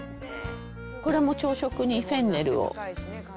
これも朝食に、フェンネルを。